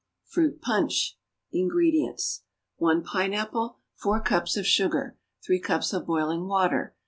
=Fruit Punch.= INGREDIENTS. 1 pineapple. 4 cups of sugar. 3 cups of boiling water.